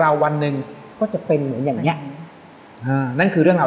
วันหนึ่งก็จะเป็นเหมือนอย่างเงี้ยอ่านั่นคือเรื่องราว